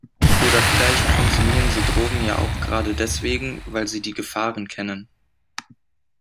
Oder vielleicht konsumieren sie Drogen ja auch gerade deswegen, weil sie die Gefahren kennen.